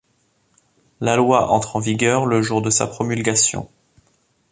La loi entre en vigueur le jour de sa promulgation.